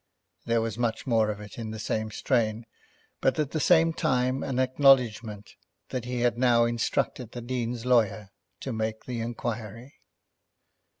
There was much more of it in the same strain, but at the same time an acknowledgment that he had now instructed the Dean's lawyer to make the inquiry.